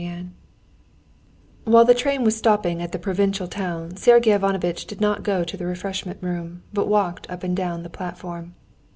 Chapter 4 While the train was stopping at the provincial town, Sergey Ivanovitch did not go to the refreshment room, but walked up and down the platform.